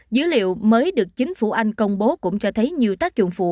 dữ liệu mới được chính phủ anh công bố cũng cho thấy nhiều tác dụng phụ